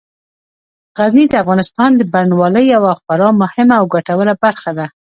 غزني د افغانستان د بڼوالۍ یوه خورا مهمه او ګټوره برخه ده.